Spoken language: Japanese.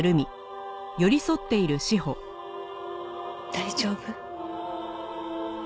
大丈夫？